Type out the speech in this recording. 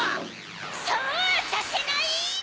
そうはさせないの！